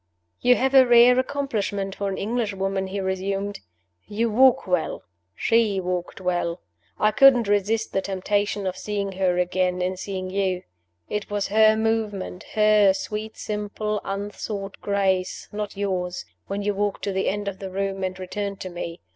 "You have a rare accomplishment for an Englishwoman," he resumed "you walk well. She walked well. I couldn't resist the temptation of seeing her again, in seeing you. It was her movement, her sweet, simple, unsought grace (not yours), when you walked to the end of the room and returned to me.